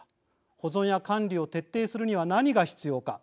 保存や管理を徹底するには何が必要か。